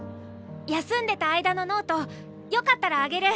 休んでた間のノートよかったらあげる。